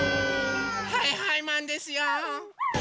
はいはいマンですよ！